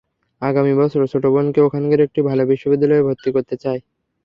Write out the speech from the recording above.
আগামী বছর ছোট বোনকে ওখানকার একটি ভালো বিশ্ববিদ্যালয়ে ভর্তি করতে চাই।